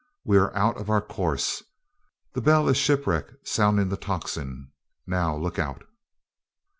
We are out of our course. That bell is shipwreck sounding the tocsin. Now, look out!"